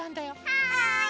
はい！